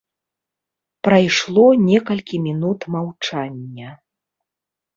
Прайшло некалькі мінут маўчання.